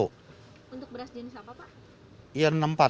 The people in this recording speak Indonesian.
untuk beras jenis apa pak